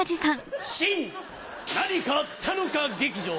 「新何かあったのか劇場」